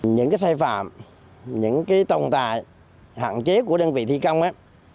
những cái sai phạm những cái tồn tại hạn chế của đơn vị thi công á